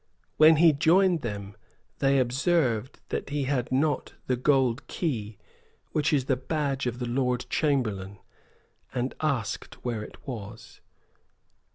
When he joined them, they observed that he had not the gold key which is the badge of the Lord Chamberlain, and asked where it was.